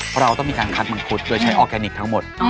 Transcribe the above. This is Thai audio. เพราะเราต้องมีการคัดมังคุดโดยใช้ออร์แกนิคทั้งหมด